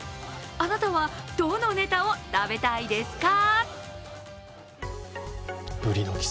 あなたはどのネタを食べたいですか？